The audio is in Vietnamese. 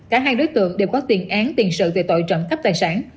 cả hai đối tượng đều có tiền án tiền sự về tội trận cấp tài sản